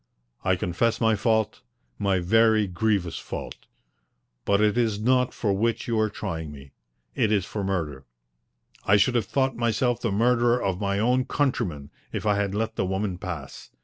I confess my fault my very grievous fault. But it is not that for which you are trying me. It is for murder. I should have thought myself the murderer of my own countrymen if I had let the woman pass.